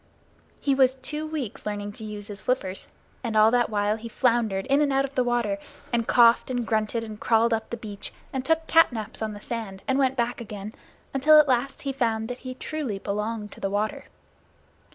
He was two weeks learning to use his flippers; and all that while he floundered in and out of the water, and coughed and grunted and crawled up the beach and took catnaps on the sand, and went back again, until at last he found that he truly belonged to the water.